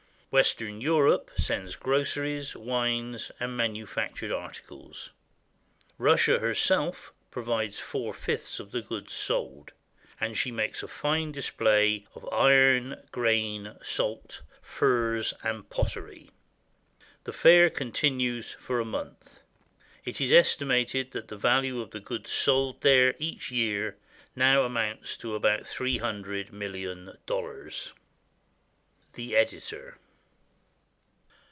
Western Europe sends groceries, wines, and manufactured articles. Russia herself provides four fifths of the goods sold; and she makes a fine display of iron, grain, salt, furs, and pottery. The fair continues for a month. It is estimated that the value of the goods sold there each year now amounts to about three hundred million dollars. The Editor.